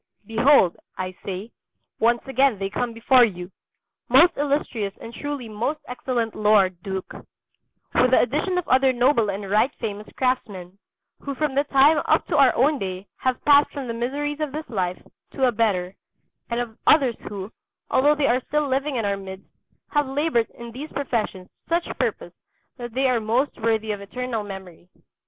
Behold, I say, once again they come before you, most Illustrious and truly most Excellent Lord Duke, with the addition of other noble and right famous craftsmen, who from that time up to our own day have passed from the miseries of this life to a better, and of others who, although they are still living in our midst, have laboured in these professions to such purpose that they are most worthy of eternal memory.